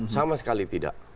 sama sekali tidak